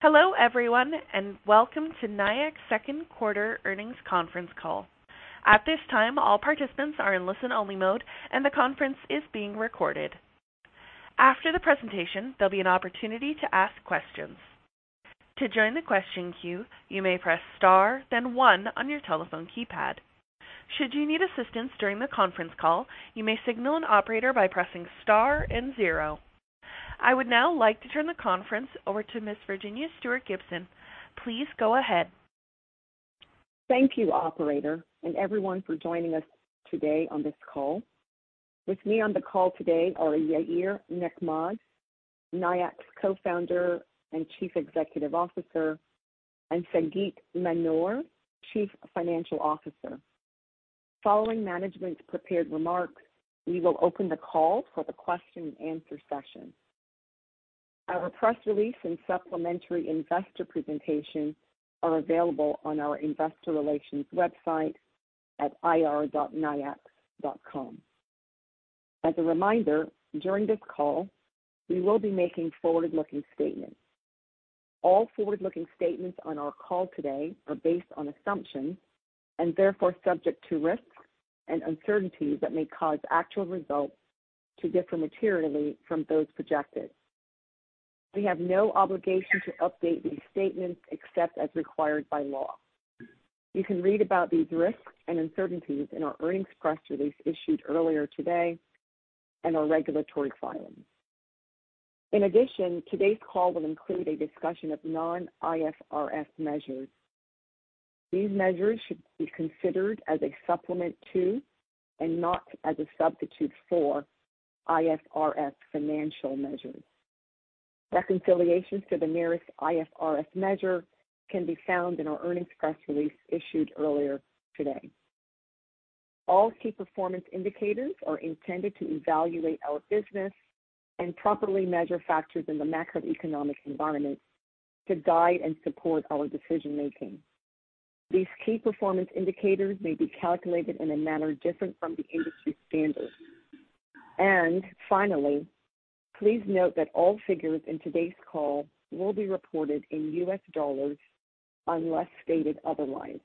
Hello everyone, and welcome to Nayax second quarter earnings conference call. At this time, all participants are in listen-only mode, and the conference is being recorded. After the presentation, there'll be an opportunity to ask questions. To join the question queue, you may press Star, then one on your telephone keypad. Should you need assistance during the conference call, you may signal an operator by pressing Star and Zero. I would now like to turn the conference over to Ms. Virginia Stuart-Gibson. Please go ahead. Thank you, operator, and everyone for joining us today on this call. With me on the call today are Yair Nechmad, Nayax Co-founder and Chief Executive Officer, and Sagit Manor, Chief Financial Officer. Following management's prepared remarks, we will open the call for the question-and-answer session. Our press release and supplementary investor presentation are available on our investor relations website at ir.nayax.com. As a reminder, during this call, we will be making forward-looking statements. All forward-looking statements on our call today are based on assumptions and therefore subject to risks and uncertainties that may cause actual results to differ materially from those projected. We have no obligation to update these statements except as required by law. You can read about these risks and uncertainties in our earnings press release issued earlier today and our regulatory filings. In addition, today's call will include a discussion of non-IFRS measures. These measures should be considered as a supplement to, and not as a substitute for, IFRS financial measures. Reconciliations to the nearest IFRS measure can be found in our earnings press release issued earlier today. All key performance indicators are intended to evaluate our business and properly measure factors in the macroeconomic environment to guide and support our decision-making. These key performance indicators may be calculated in a manner different from the industry standard. Finally, please note that all figures in today's call will be reported in US dollars, unless stated otherwise.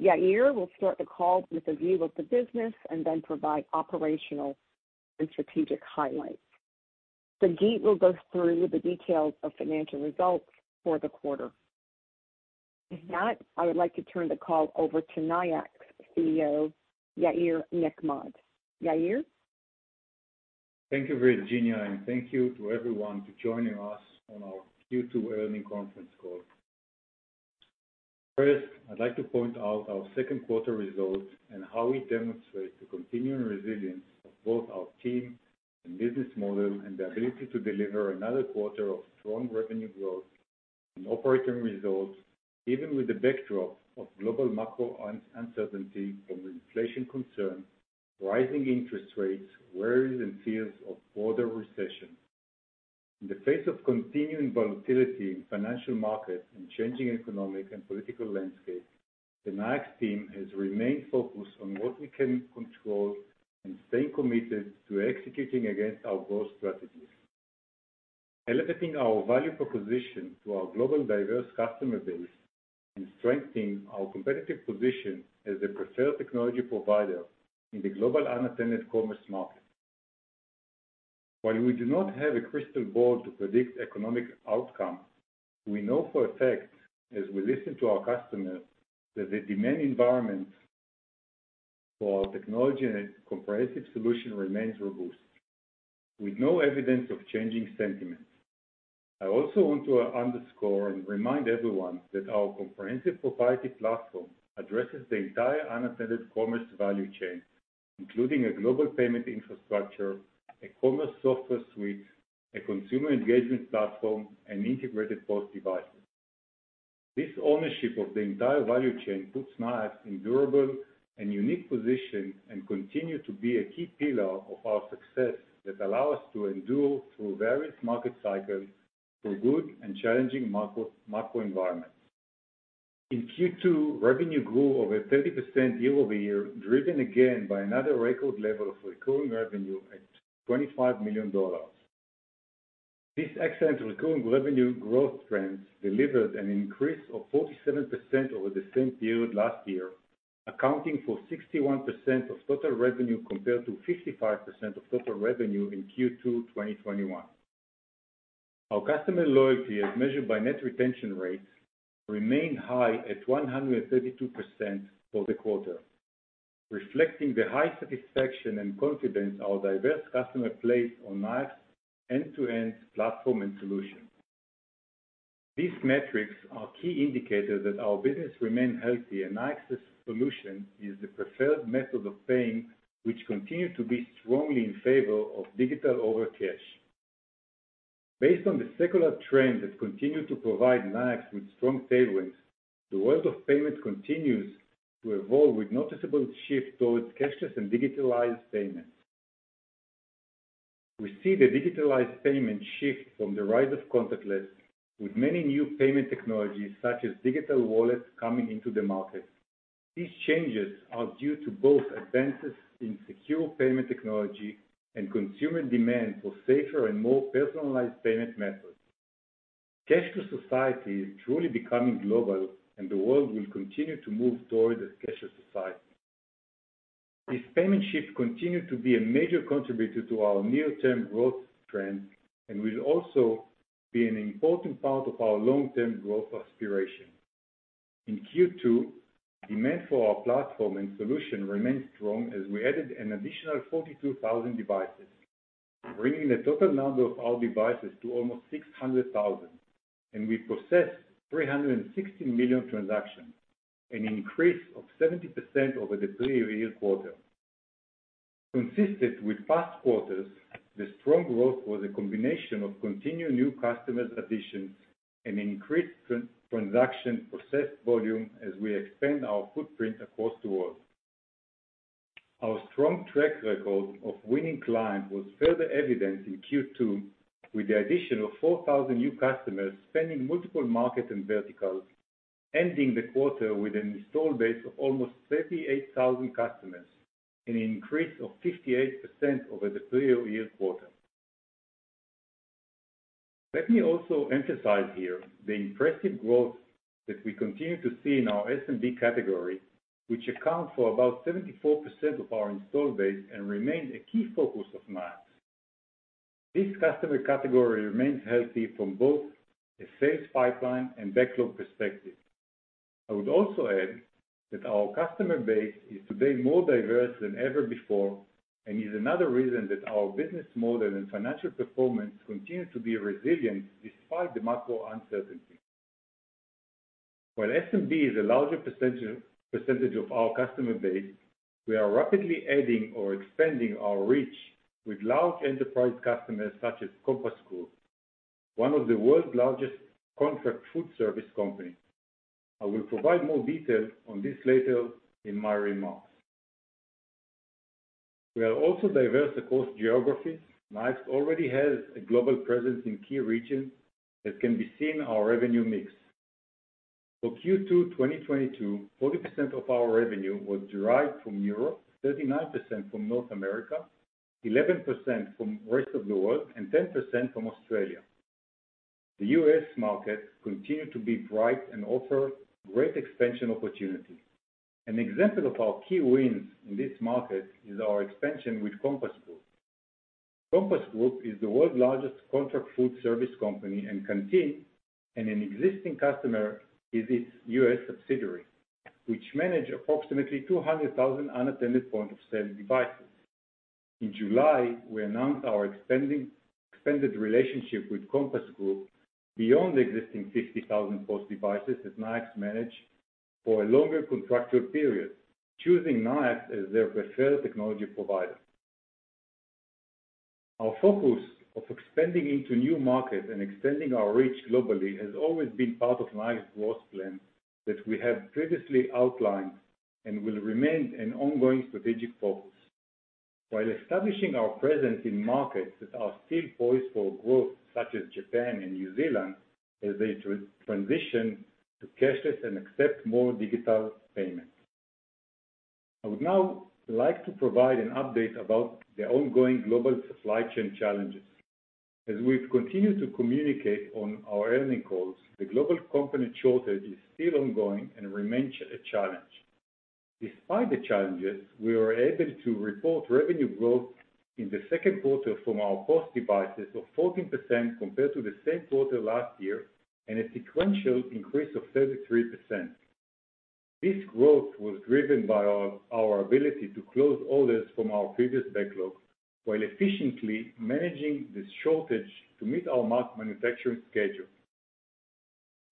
Yair will start the call with a view of the business and then provide operational and strategic highlights. Sagit will go through the details of financial results for the quarter. With that, I would like to turn the call over to Nayax CEO, Yair Nechmad. Yair. Thank you, Virginia, and thank you to everyone for joining us on our Q2 earnings conference call. First, I'd like to point out our second quarter results and how we demonstrate the continuing resilience of both our team and business model, and the ability to deliver another quarter of strong revenue growth and operating results, even with the backdrop of global macro uncertainty from inflation concerns, rising interest rates, worries and fears of broader recession. In the face of continuing volatility in financial markets and changing economic and political landscape, the Nayax team has remained focused on what we can control and staying committed to executing against our growth strategies, elevating our value proposition to our global diverse customer base, and strengthening our competitive position as the preferred technology provider in the global unattended commerce market. While we do not have a crystal ball to predict economic outcomes, we know for a fact as we listen to our customers, that the demand environment for our technology and comprehensive solution remains robust, with no evidence of changing sentiments. I also want to underscore and remind everyone that our comprehensive proprietary platform addresses the entire unattended commerce value chain, including a global payment infrastructure, a commerce software suite, a consumer engagement platform, and integrated POS devices. This ownership of the entire value chain puts Nayax in durable and unique position and continue to be a key pillar of our success that allow us to endure through various market cycles in good and challenging macro environment. In Q2, revenue grew over 30% year-over-year, driven again by another record level of recurring revenue at $25 million. This excellent recurring revenue growth trends delivered an increase of 47% over the same period last year, accounting for 61% of total revenue compared to 55% of total revenue in Q2, 2021. Our customer loyalty, as measured by net retention rates, remained high at 132% for the quarter, reflecting the high satisfaction and confidence our diverse customer place on Nayax end-to-end platform and solution. These metrics are key indicators that our business remain healthy and Nayax's solution is the preferred method of paying, which continue to be strongly in favor of digital over cash. Based on the secular trend that continue to provide Nayax with strong tailwinds, the world of payment continues to evolve with noticeable shift towards cashless and digitalized payments. We see the digitalized payment shift from the rise of contactless, with many new payment technologies such as digital wallets coming into the market. These changes are due to both advances in secure payment technology and consumer demand for safer and more personalized payment methods. Cashless society is truly becoming global, and the world will continue to move toward a cashless society. This payment shift continue to be a major contributor to our near-term growth trend and will also be an important part of our long-term growth aspiration. In Q2, demand for our platform and solution remained strong as we added an additional 42,000 devices, bringing the total number of our devices to almost 600,000, and we processed 360 million transactions, an increase of 70% over the prior year quarter. Consistent with past quarters, the strong growth was a combination of continued new customer additions and increased transaction processed volume as we expand our footprint across the world. Our strong track record of winning clients was further evidenced in Q2 with the addition of 4,000 new customers spanning multiple markets and verticals, ending the quarter with an installed base of almost 38,000 customers, an increase of 58% over the prior year quarter. Let me also emphasize here the impressive growth that we continue to see in our SMB category, which accounts for about 74% of our installed base and remains a key focus of Nayax. This customer category remains healthy from both a sales pipeline and backlog perspective. I would also add that our customer base is today more diverse than ever before and is another reason that our business model and financial performance continue to be resilient despite the macro uncertainty. While SMB is a larger percentage of our customer base, we are rapidly adding or expanding our reach with large enterprise customers such as Compass Group, one of the world's largest contract food service company. I will provide more detail on this later in my remarks. We are also diverse across geographies. Nayax already has a global presence in key regions that can be seen in our revenue mix. For Q2 2022, 40% of our revenue was derived from Europe, 39% from North America, 11% from rest of the world, and 10% from Australia. The US market continue to be bright and offer great expansion opportunities. An example of our key wins in this market is our expansion with Compass Group. Compass Group is the world's largest contract food service company and Canteen, and an existing customer is its US subsidiary, which manage approximately 200,000 unattended point-of-sale devices. In July, we announced our expanded relationship with Compass Group beyond the existing 50,000 POS devices that Nayax manage for a longer contractual period, choosing Nayax as their preferred technology provider. Our focus of expanding into new markets and extending our reach globally has always been part of Nayax's growth plan that we have previously outlined and will remain an ongoing strategic focus. While establishing our presence in markets that are still poised for growth, such as Japan and New Zealand, as they transition to cashless and accept more digital payments. I would now like to provide an update about the ongoing global supply chain challenges. As we've continued to communicate on our earnings calls, the global component shortage is still ongoing and remains a challenge. Despite the challenges, we were able to report revenue growth in the second quarter from our POS devices of 14% compared to the same quarter last year, and a sequential increase of 33%. This growth was driven by our ability to close orders from our previous backlogs while efficiently managing the shortage to meet our marked manufacturing schedule.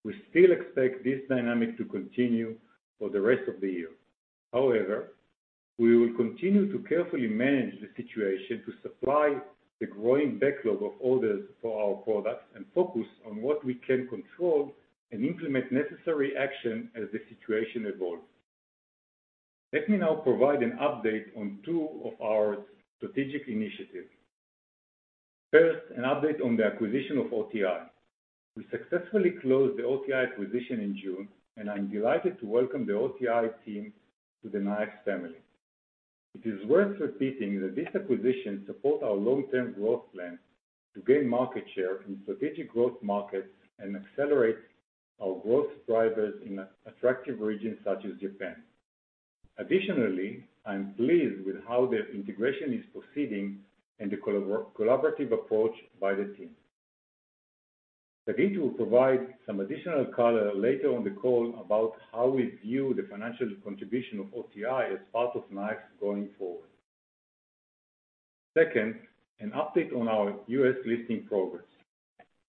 We still expect this dynamic to continue for the rest of the year. However, we will continue to carefully manage the situation to supply the growing backlog of orders for our products and focus on what we can control and implement necessary action as the situation evolves. Let me now provide an update on two of our strategic initiatives. First, an update on the acquisition of OTI. We successfully closed the OTI acquisition in June, and I'm delighted to welcome the OTI team to the Nayax family. It is worth repeating that this acquisition support our long-term growth plans to gain market share in strategic growth markets and accelerate our growth drivers in a attractive region such as Japan. Additionally, I am pleased with how the integration is proceeding and the collaborative approach by the team. Sagit will provide some additional color later on the call about how we view the financial contribution of OTI as part of Nayax going forward. Second, an update on our US listing progress.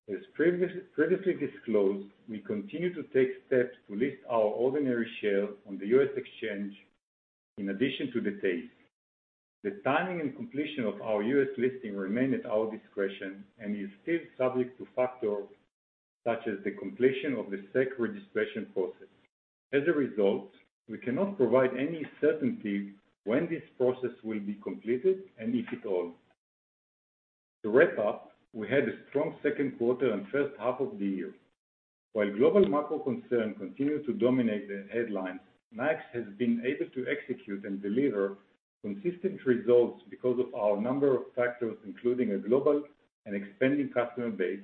As previously disclosed, we continue to take steps to list our ordinary shares on the US exchange in addition to the TSX. The timing and completion of our U.S. listing remain at our discretion and is still subject to factors such as the completion of the SEC registration process. As a result, we cannot provide any certainty when this process will be completed and if at all. To wrap up, we had a strong second quarter and first half of the year. While global macro concerns continue to dominate the headlines, Nayax has been able to execute and deliver consistent results because of a number of factors, including a global and expanding customer base,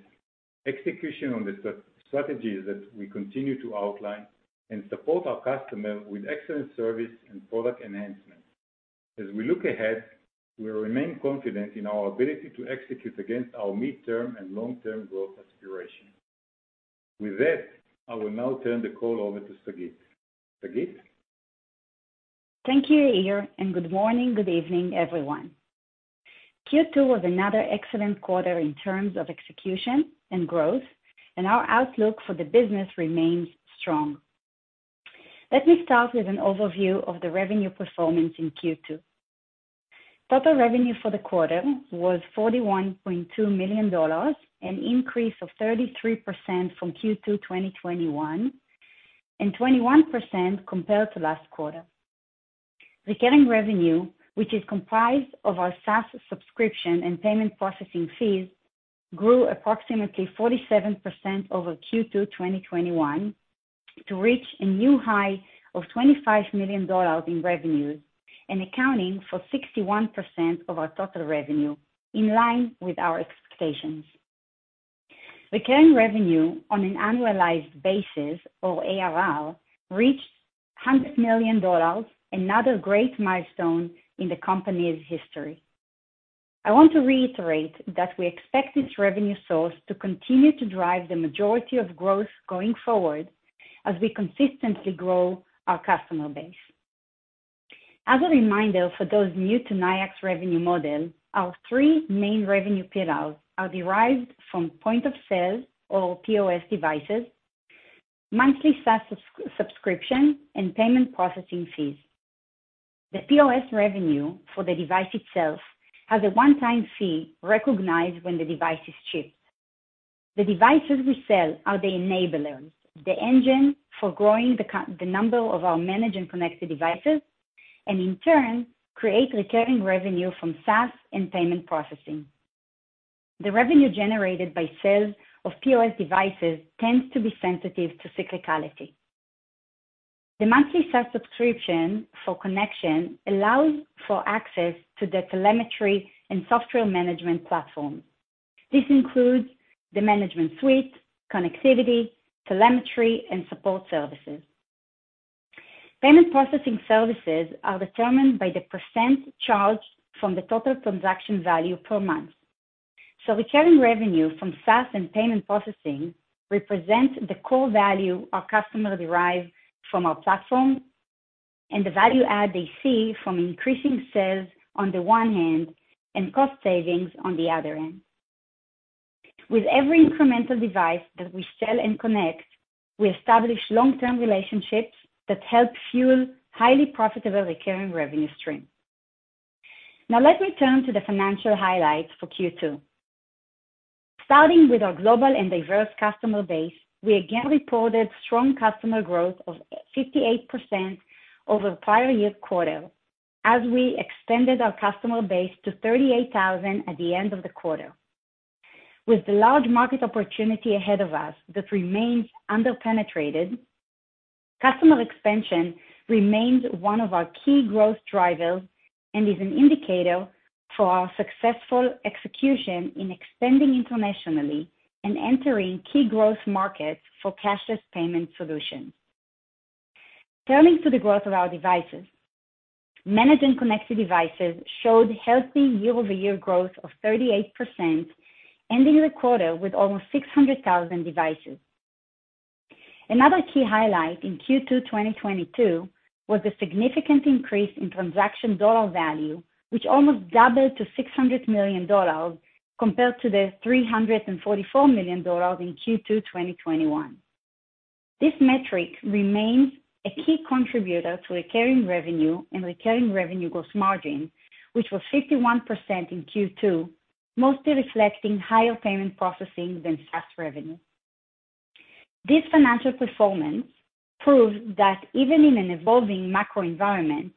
execution on the strategies that we continue to outline, and support our customers with excellent service and product enhancements. As we look ahead, we remain confident in our ability to execute against our midterm and long-term growth aspirations. With that, I will now turn the call over to Sagit. Sagit? Thank you, Yair, and good morning, good evening, everyone. Q2 was another excellent quarter in terms of execution and growth, and our outlook for the business remains strong. Let me start with an overview of the revenue performance in Q2. Total revenue for the quarter was $41.2 million, an increase of 33% from Q2 2021, and 21% compared to last quarter. Recurring revenue, which is comprised of our SaaS subscription and payment processing fees, grew approximately 47% over Q2 2021 to reach a new high of $25 million in revenues and accounting for 61% of our total revenue, in line with our expectations. Recurring revenue on an annualized basis or ARR reached $100 million, another great milestone in the company's history. I want to reiterate that we expect this revenue source to continue to drive the majority of growth going forward as we consistently grow our customer base. As a reminder for those new to Nayax revenue model, our three main revenue pillars are derived from point of sale or POS devices, monthly SaaS subscription, and payment processing fees. The POS revenue for the device itself has a one-time fee recognized when the device is shipped. The devices we sell are the enablers, the engine for growing the number of our managed and connected devices, and in turn, create recurring revenue from SaaS and payment processing. The revenue generated by sales of POS devices tends to be sensitive to cyclicality. The monthly SaaS subscription for connection allows for access to the telemetry and software management platform. This includes the management suite, connectivity, telemetry, and support services. Payment processing services are determined by the percent charged from the total transaction value per month. Recurring revenue from SaaS and payment processing represents the core value our customers derive from our platform and the value add they see from increasing sales on the one hand and cost savings on the other end. With every incremental device that we sell and connect, we establish long-term relationships that help fuel highly profitable recurring revenue stream. Now let me turn to the financial highlights for Q2. Starting with our global and diverse customer base, we again reported strong customer growth of 58% over the prior year quarter as we extended our customer base to 38,000 at the end of the quarter. With the large market opportunity ahead of us that remains under-penetrated, customer expansion remains one of our key growth drivers and is an indicator for our successful execution in expanding internationally and entering key growth markets for cashless payment solutions. Turning to the growth of our devices. Managed and connected devices showed healthy year-over-year growth of 38%, ending the quarter with almost 600,000 devices. Another key highlight in Q2 2022 was the significant increase in transaction dollar value, which almost doubled to $600 million compared to the $344 million in Q2 2021. This metric remains a key contributor to recurring revenue and recurring revenue gross margin, which was 51% in Q2, mostly reflecting higher payment processing than SaaS revenue. This financial performance proves that even in an evolving macro environment,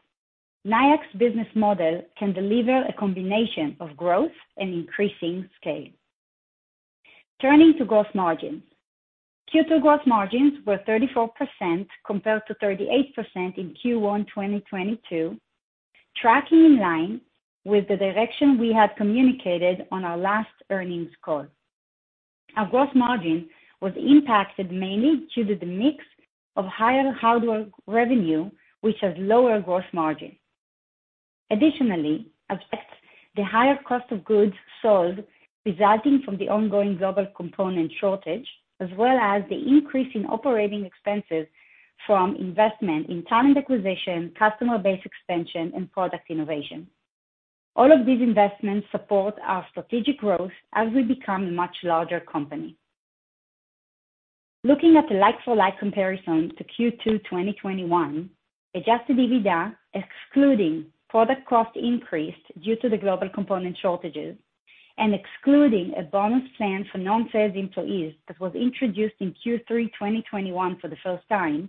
Nayax business model can deliver a combination of growth and increasing scale. Turning to gross margins. Q2 gross margins were 34% compared to 38% in Q1 2022, tracking in line with the direction we had communicated on our last earnings call. Our gross margin was impacted mainly due to the mix of higher hardware revenue, which has lower gross margin. Additionally, affected by the higher cost of goods sold resulting from the ongoing global component shortage, as well as the increase in operating expenses from investment in talent acquisition, customer base expansion, and product innovation. All of these investments support our strategic growth as we become a much larger company. Looking at the like-for-like comparison to Q2 2021, adjusted EBITDA, excluding product cost increase due to the global component shortages and excluding a bonus plan for non-sales employees that was introduced in Q3 2021 for the first time.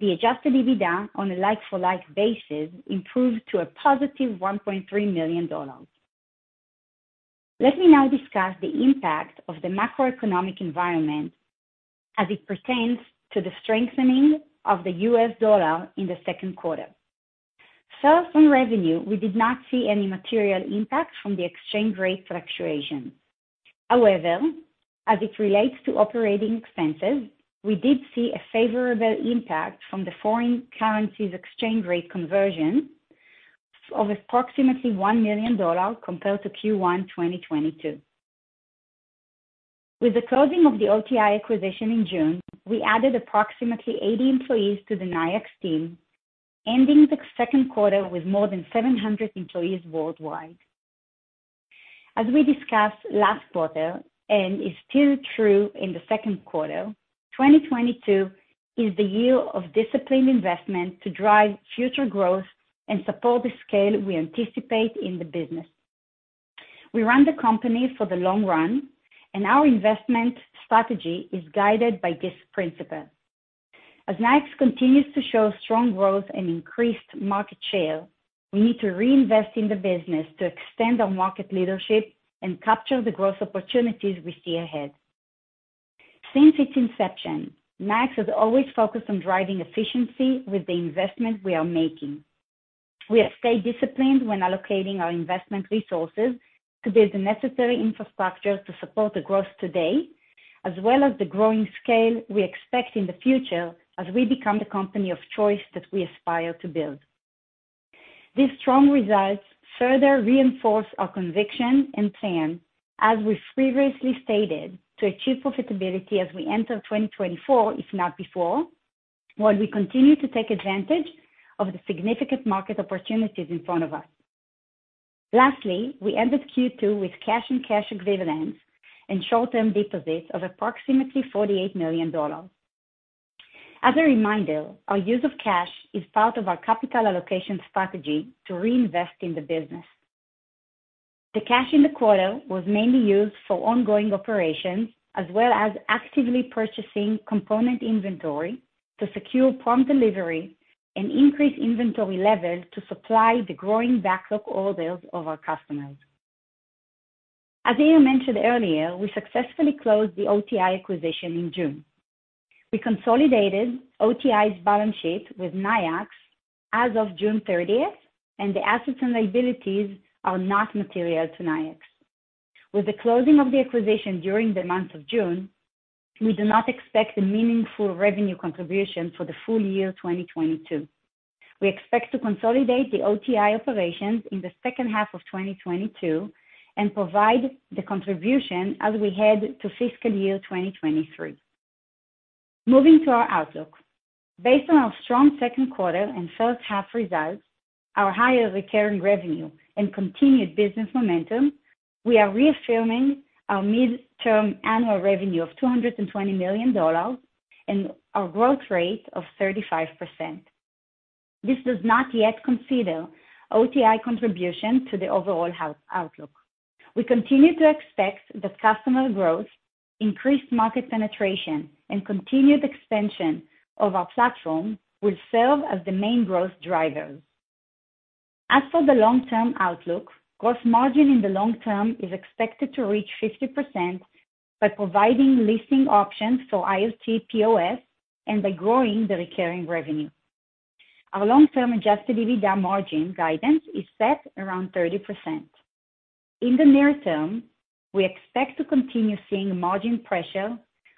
The adjusted EBITDA on a like-for-like basis improved to a positive $1.3 million. Let me now discuss the impact of the macroeconomic environment as it pertains to the strengthening of the US dollar in the second quarter. Sales and revenue, we did not see any material impact from the exchange rate fluctuation. However, as it relates to operating expenses, we did see a favorable impact from the foreign currencies exchange rate conversion of approximately $1 million compared to Q1 2022. With the closing of the OTI acquisition in June, we added approximately 80 employees to the Nayax team, ending the second quarter with more than 700 employees worldwide. As we discussed last quarter, and it is still true in the second quarter, 2022 is the year of disciplined investment to drive future growth and support the scale we anticipate in the business. We run the company for the long run and our investment strategy is guided by this principle. As Nayax continues to show strong growth and increased market share, we need to reinvest in the business to extend our market leadership and capture the growth opportunities we see ahead. Since its inception, Nayax has always focused on driving efficiency with the investment we are making. We have stayed disciplined when allocating our investment resources to build the necessary infrastructure to support the growth today, as well as the growing scale we expect in the future as we become the company of choice that we aspire to build. These strong results further reinforce our conviction and plan, as we previously stated, to achieve profitability as we enter 2024, if not before, while we continue to take advantage of the significant market opportunities in front of us. Lastly, we ended Q2 with cash and cash equivalents and short-term deposits of approximately $48 million. As a reminder, our use of cash is part of our capital allocation strategy to reinvest in the business. The cash in the quarter was mainly used for ongoing operations as well as actively purchasing component inventory to secure prompt delivery and increase inventory levels to supply the growing backlog orders of our customers. As Yair mentioned earlier, we successfully closed the OTI acquisition in June. We consolidated OTI's balance sheet with Nayax as of June 30, and the assets and liabilities are not material to Nayax. With the closing of the acquisition during the month of June, we do not expect a meaningful revenue contribution for the full year 2022. We expect to consolidate the OTI operations in the second half of 2022 and provide the contribution as we head to fiscal year 2023. Moving to our outlook. Based on our strong second quarter and first half results, our higher recurring revenue and continued business momentum, we are reaffirming our midterm annual revenue of $220 million and our growth rate of 35%. This does not yet consider OTI contribution to the overall outlook. We continue to expect that customer growth, increased market penetration, and continued expansion of our platform will serve as the main growth drivers. As for the long-term outlook, gross margin in the long term is expected to reach 50% by providing leasing options for IoT POS and by growing the recurring revenue. Our long-term adjusted EBITDA margin guidance is set around 30%. In the near term, we expect to continue seeing margin pressure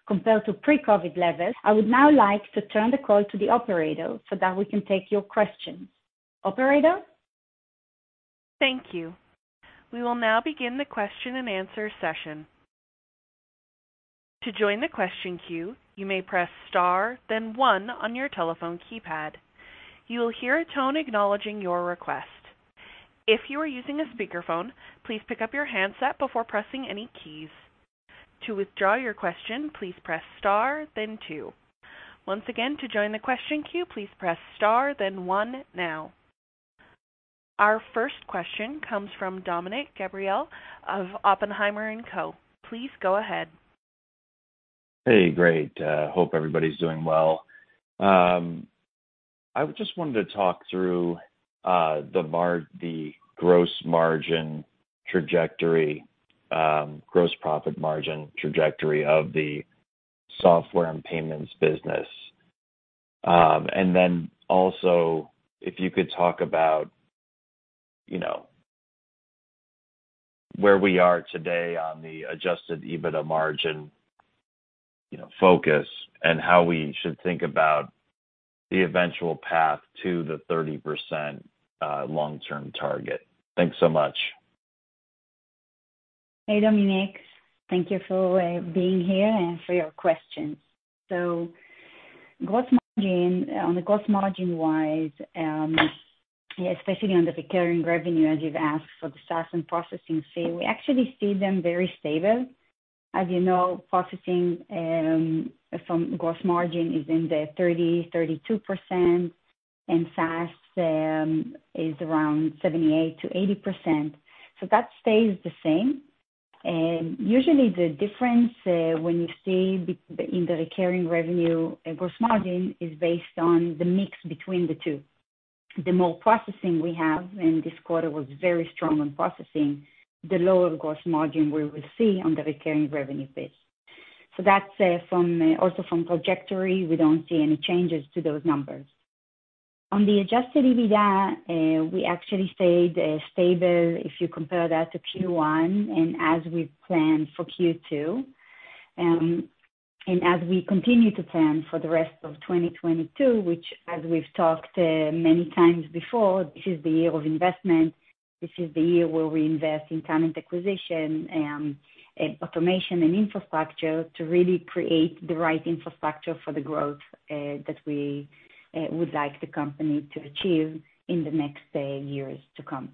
compared to pre-COVID levels. I would now like to turn the call to the operator so that we can take your questions. Operator? Thank you. We will now begin the question-and-answer session. To join the question queue, you may press star then one on your telephone keypad. You will hear a tone acknowledging your request. If you are using a speakerphone, please pick up your handset before pressing any keys. To withdraw your question, please press star then two. Once again, to join the question queue, please press star then one now. Our first question comes from Dominick Gabriele of Oppenheimer & Co. Please go ahead. Hey, great. Hope everybody's doing well. I just wanted to talk through the gross margin trajectory, gross profit margin trajectory of the software and payments business. If you could talk about, you know, where we are today on the adjusted EBITDA margin, you know, focus and how we should think about the eventual path to the 30% long-term target. Thanks so much. Hey, Dominic. Thank you for being here and for your questions. Gross margin on the gross margin-wise, especially on the recurring revenue, as you've asked for the SaaS and processing fee, we actually see them very stable. As you know, processing from gross margin is in the 30%-32%, and SaaS is around 78%-80%. That stays the same. Usually the difference when you see the recurring revenue gross margin is based on the mix between the two. The more processing we have, and this quarter was very strong on processing, the lower gross margin we will see on the recurring revenue base. That's also from trajectory, we don't see any changes to those numbers. On the adjusted EBITDA, we actually stayed stable if you compare that to Q1 and as we planned for Q2. As we continue to plan for the rest of 2022, which as we've talked many times before, this is the year of investment. This is the year where we invest in talent acquisition and automation and infrastructure to really create the right infrastructure for the growth that we would like the company to achieve in the next years to come.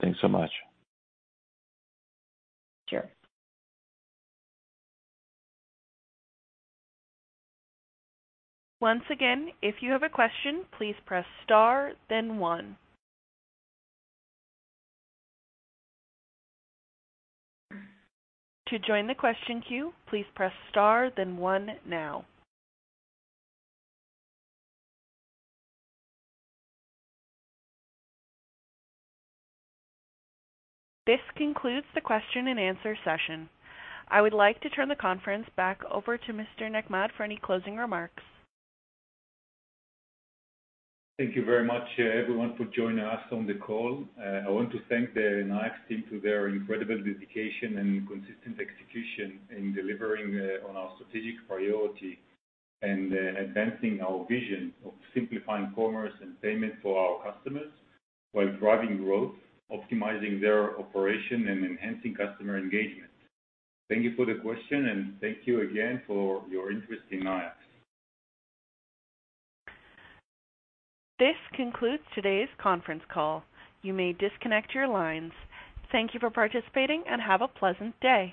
Thanks so much. Sure. Once again, if you have a question, please press star then one. To join the question queue, please press star then one now. This concludes the question and answer session. I would like to turn the conference back over to Mr. Nechmad for any closing remarks. Thank you very much, everyone for joining us on the call. I want to thank the Nayax team for their incredible dedication and consistent execution in delivering on our strategic priority and advancing our vision of simplifying commerce and payment for our customers while driving growth, optimizing their operation, and enhancing customer engagement. Thank you for the question, and thank you again for your interest in Nayax. This concludes today's conference call. You may disconnect your lines. Thank you for participating, and have a pleasant day